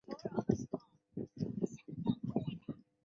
她以祖国波兰的名字命名她所发现的第一种元素钋。